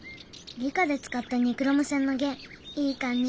理科で使ったニクロム線の弦いい感じ。